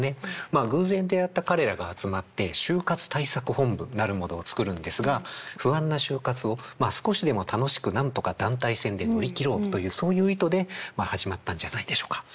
偶然出会った彼らが集まって就活対策本部なるものを作るんですが不安な就活を少しでも楽しくなんとか団体戦で乗り切ろうというそういう意図で始まったんじゃないでしょうか。